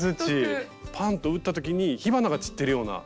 パンと打った時に火花が散ってるような。